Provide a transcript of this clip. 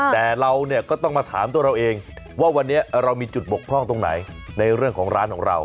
แต่เราเนี่ยก็ต้องมาถามตัวเราเองว่าวันนี้เรามีจุดบกพร่องตรงไหนในเรื่องของร้านของเรา